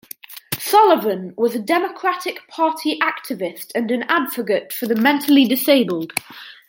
Sullivan was a Democratic Party activist and an advocate for the mentally disabled.